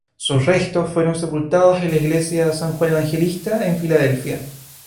Sus restos fueron sepultados en la iglesia de San Juan Evangelista en Filadelfia.